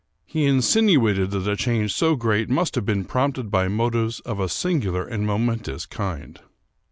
He insinuated that a change so great must have been prompted by motives of a singular and momentous kind.